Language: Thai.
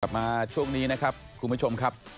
กลับมาช่วงนี้นะครับคุณผู้ชมครับ